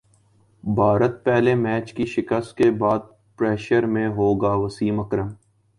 بھارت پہلے میچ کی شکست کے بعد پریشر میں ہوگاوسیم اکرم